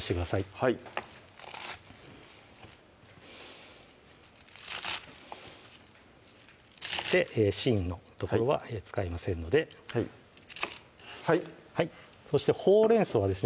はいそして芯の所は使いませんのではいはいそしてほうれん草はですね